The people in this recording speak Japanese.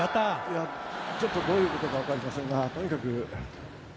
いやちょっとどういうことか分かりませんがとにかく。